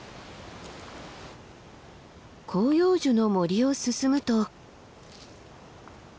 広葉樹の森を進むと。